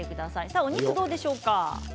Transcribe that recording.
お肉はどうでしょうか。